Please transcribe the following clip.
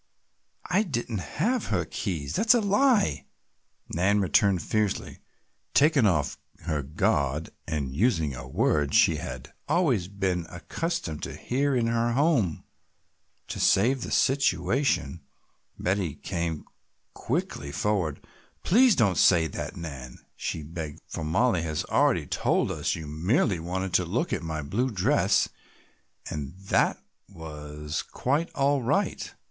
"I didn't have her keys, that's a lie," Nan returned fiercely, taken off her guard and using a word she had always been accustomed to hear in her home. To save the situation Betty came quickly forward. "Please don't say that, Nan," she begged, "for Mollie has already told us you merely wanted to look at my blue dress and that was quite all right.